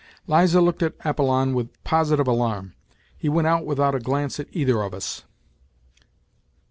Liza looked at Apollon with positive alarm. He went out without a glance at either of us.